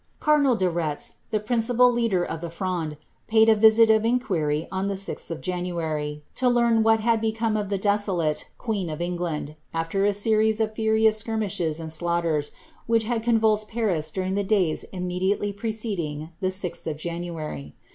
Cardinal de Retz, the principal leader of the Fronde, paid a visit of Dquiry on the 6th of January, to learn what had become of the desolate loeen of England, after a series of furious skirniislies and slaughters, vhich had convulsed Paris during the days immediately preceding the hh of January.